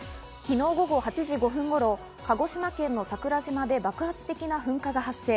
昨日午後８時５分頃、鹿児島県の桜島で爆発的な噴火が発生。